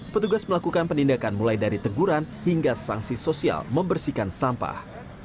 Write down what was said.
petugas melakukan penindakan mulai dari teguran hingga sanksi sosial membersihkan sampah